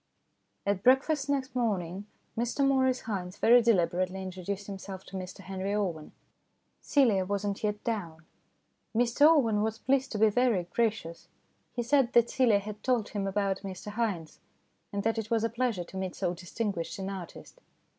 At breakfast next morning Mr Maurice Haynes TOO SOON AND TOO LATE 191 very deliberately introduced himself to Mr Henry Owen. Celia was not yet down. Mr Owen was pleased to be very gracious. He said that Celia had told him about Mr Haynes, and that it was a pleasure to meet so distinguished an artist.